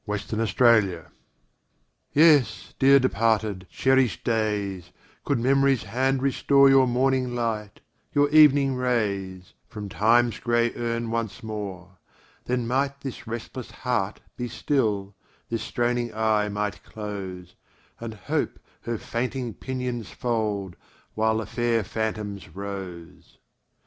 DEPARTED DAYS YES, dear departed, cherished days, Could Memory's hand restore Your morning light, your evening rays, From Time's gray urn once more, Then might this restless heart be still, This straining eye might close, And Hope her fainting pinions fold, While the fair phantoms rose.